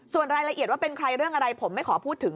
ส่วนรายละเอียดว่าเป็นใครเรื่องอะไรผมไม่ขอพูดถึง